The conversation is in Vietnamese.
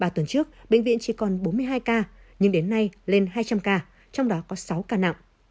ba tuần trước bệnh viện chỉ còn bốn mươi hai ca nhưng đến nay lên hai trăm linh ca trong đó có sáu ca nặng